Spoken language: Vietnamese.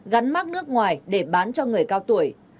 gắn mát nước ngoài để bán cho người cao tuổi